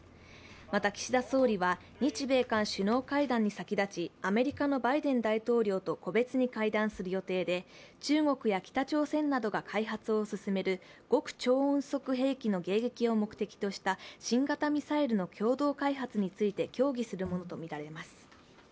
また、岸田総理は日米韓首脳会談に先立ち、アメリカのバイデン大統領と個別に会談する予定で中国や北朝鮮などが開発を進める極超音速兵器の迎撃を目的とした新型ミサイルの共同開発について協議するものとみられます。